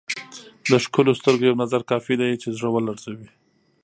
د ښکلو سترګو یو نظر کافي دی چې زړه ولړزوي.